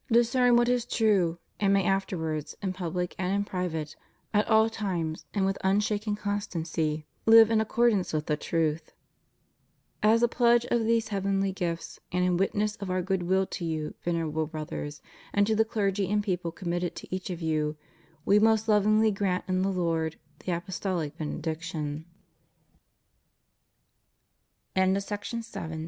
163 discern what is true, and may afterwards, in public and in private, at all times and with unshaken constancy, live in accordance with the truth. As a pledge of these heavenly gifts, and in witness of Our good will to you, Venerable Brothers, and to the clergy and people com mitted to each of you, We most lovingl